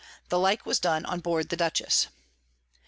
The like was done on board the Dutchess.